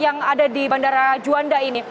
yang ada di bandara juanda ini